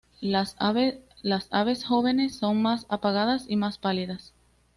Las aves jóvenes son más apagadas y más pálidas.